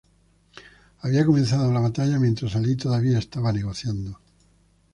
Habían comenzado la batalla mientras Alí todavía estaba negociando.